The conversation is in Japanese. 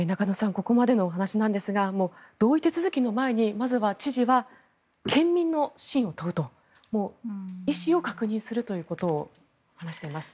ここまでのお話なんですが同意手続きの前にまずは知事は県民の信を問うと意思を確認するということを話しています。